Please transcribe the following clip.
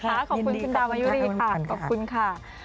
ขอบคุณคุณดาวยุรีค่ะขอบคุณค่ะ